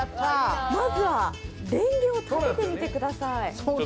まずはれんげを立ててみてください。